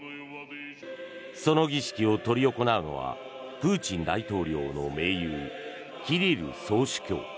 その儀式を執り行うのはプーチン大統領の盟友キリル総主教。